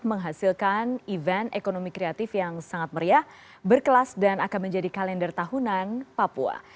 menghasilkan event ekonomi kreatif yang sangat meriah berkelas dan akan menjadi kalender tahunan papua